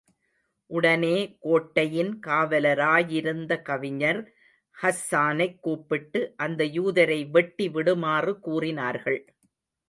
உடனே கோட்டையின் காவலராயிருந்த கவிஞர் ஹஸ்ஸானைக் கூப்பிட்டு, அந்த யூதரை வெட்டி விடுமாறு கூறினார்கள்.